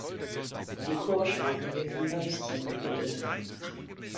Die Chorschranke wird von Balustern gebildet.